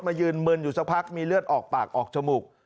ยืนมึนอยู่สักพักมีเลือดออกปากออกจมูก